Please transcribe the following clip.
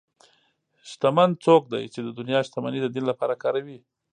شتمن څوک دی چې د دنیا شتمني د دین لپاره کاروي.